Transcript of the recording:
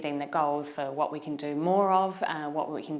trong một phương pháp dễ dàng hơn